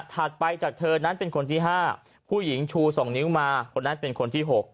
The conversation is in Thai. ไปจากเธอนั้นเป็นคนที่๕ผู้หญิงชู๒นิ้วมาคนนั้นเป็นคนที่๖